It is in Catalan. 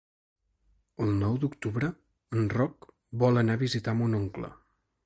El nou d'octubre en Roc vol anar a visitar mon oncle.